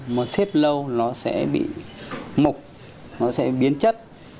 mà xếp lâu nó sẽ bị mục nó sẽ biến chất